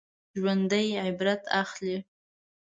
ژوندي عبرت اخلي